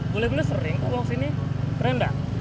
boleh boleh sering kau bawa sini keren bang